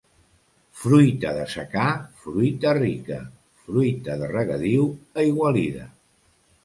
Fruita de secà, fruita rica; fruita de regadiu, aigualida.